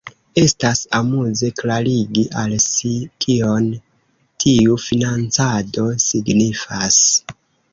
Estas amuze klarigi al si, kion tiu financado signifas.